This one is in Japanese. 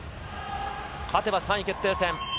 勝てば３位決定戦。